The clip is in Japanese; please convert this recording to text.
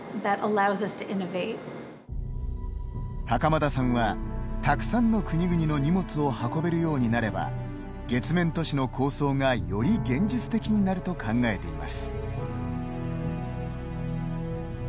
袴田さんは、たくさんの国々の荷物を運べるようになれば月面都市の構想がより現実的になると考えています。